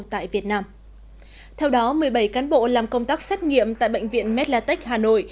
theo đó một mươi bảy cán bộ làm công tác xét nghiệm tại bệnh viện medlatech hà nội